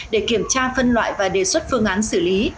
để kiểm tra phân loại và đề xuất phương án xử lý